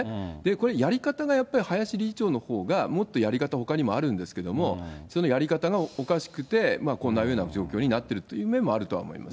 これ、やり方がやっぱり林理事長のほうがもっとやり方、ほかにあるんですけど、そのやり方がおかしくて、こんなような状況にあるとは思います。